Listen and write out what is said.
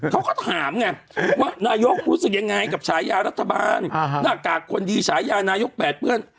เขาก็ถามไงว่านายกรู้สึกยังไงกับฉายารัฐบาลหน้ากากคนดีฉายานายกแปดเปื้อน